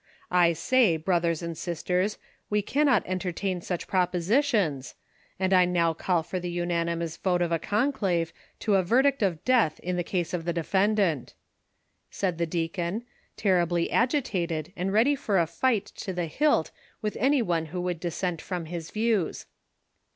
I say, brothers and sisters, we cannot entertain such propositions, and I now call for the unanimous vote of the conclave to a ver dict of death in the case of the defendant," said the deacon, terribly agitated and ready for a fight to the hilt with any one who would dissent from his views.